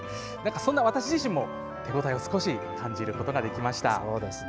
そんな、私自身も手応えを少し感じることができました。